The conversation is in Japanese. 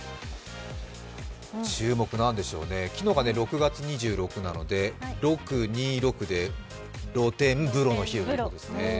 注目何でしょうね、昨日が６月２６日なので６・２・６で露天風呂の日でした。